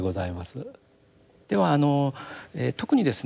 ではあの特にですね